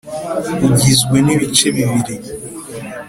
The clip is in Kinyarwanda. ugizwe n’ibice bibiri